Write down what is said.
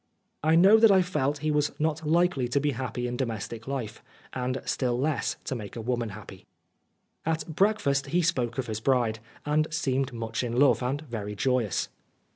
I know that I felt he was not likely to be happy in domestic life, and still less to make a woman happy. At breakfast he spoke of his bride, and seemed much in love, and very joyous.